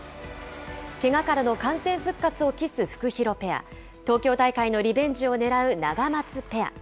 けがからの完全復活を期すフクヒロペア、東京大会のリベンジを狙うナガマツペア。